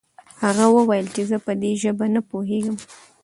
هغه وويل چې زه په دې ژبه نه پوهېږم.